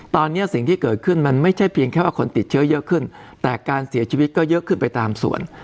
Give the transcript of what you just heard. ตอนนี้สิ่งที่เกิดขึ้นมันไม่ใช่เพียงแค่ว่าคนติดเชื้อเยอะขึ้นแต่การเสียชีวิตก็เยอะขึ้นไปตามส่วน